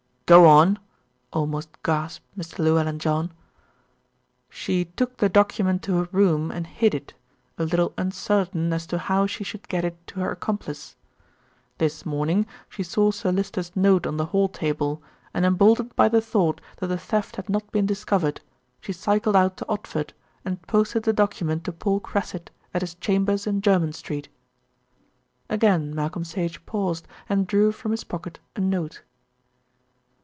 "Go on," almost gasped Mr. Llewellyn John. "She took the document to her room and hid it, a little uncertain as to how she should get it to her accomplice. This morning she saw Sir Lyster's note on the hall table, and emboldened by the thought that the theft had not been discovered, she cycled out to Odford and posted the document to Paul Cressit at his chambers in Jermyn Street." Again Malcolm Sage paused and drew from his pocket a note.